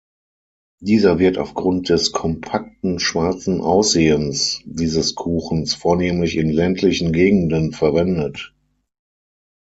Dieser wird aufgrund des kompakten schwarzen Aussehens dieses Kuchens vornehmlich in ländlichen Gegenden verwendet.